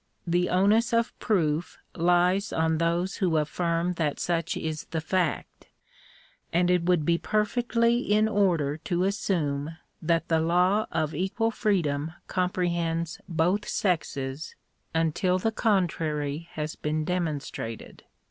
The onus of proof lies on those who affirm that such is the feet; and it would be perfectly in order to assume that the law of equal freedom comprehends both sexes, until the con trary has been demonstrated.